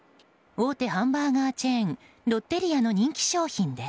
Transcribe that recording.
大手ハンバーガーチェーンロッテリアの人気商品です。